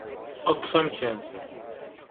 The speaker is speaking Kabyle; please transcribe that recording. Ṭṭef amkan.